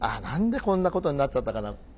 何でこんなことになっちゃったかな。